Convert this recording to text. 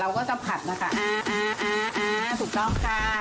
เราก็จะผัดนะคะอ่าถูกต้องค่ะเดี๋ยวล่าง